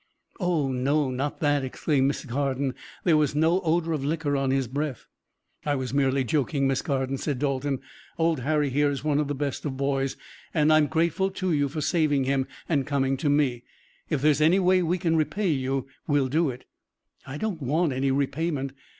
"Oh, no! not that!" exclaimed Miss Carden. "There was no odor of liquor on his breath." "I was merely joking, Miss Carden," said Dalton. "Old Harry here is one of the best of boys, and I'm grateful to you for saving him and coming to me. If there is any way we can repay you we'll do it." "I don't want any repayment.